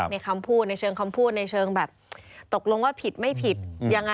คำพูดในเชิงคำพูดในเชิงแบบตกลงว่าผิดไม่ผิดยังไง